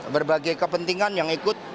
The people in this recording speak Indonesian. berbagai kepentingan yang ikut